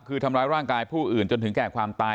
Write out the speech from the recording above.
คือทำร้ายร่างกายผู้อื่นจนถึงแก่ความตาย